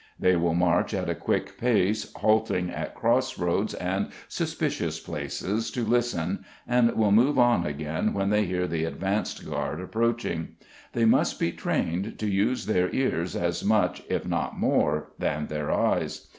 They will march at a quick pace, halting at cross roads and suspicious places to listen, and will move on again when they hear the advanced guard approaching. They must be trained to use their ears as much, if not more than their eyes.